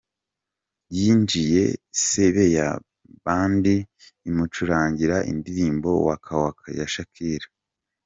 Yinjiye Sebeya Band imucurangira indirimbo Waka Waka ya Shakira.